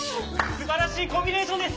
すばらしいコンビネーションです。